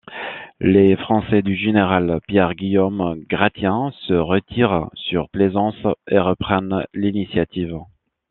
Les Français du général Pierre Guillaume Gratien se retirent sur Plaisance et reprennent l’initiative.